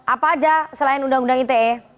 apa aja selain undang undang ite